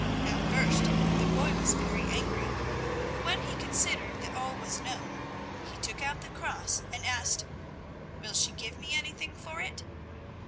At first the boy was very angry, but when he considered that all was known, he took out the cross and asked: "Will she give me anything for it?"